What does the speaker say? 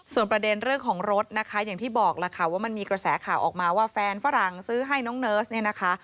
ส่วนประเด็นเรื่องของรถนะคะอย่างที่บอกล่ะค่ะว่ามันมีกระแสข่าวออกมาว่าแฟนฝรั่งซื้อให้น้องเนิร์สเนี่ยนะคะ